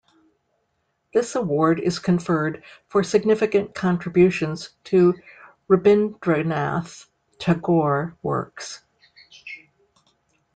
This award is conferred for significant contributions to Rabindranath Tagore works.